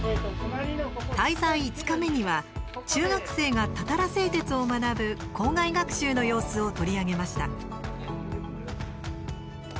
滞在５日目には中学生が、たたら製鉄を学ぶ校外学習の様子を取り上げました。